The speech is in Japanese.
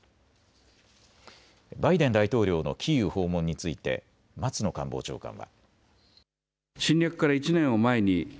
バイデン大統領のキーウ訪問について松野官房長官は。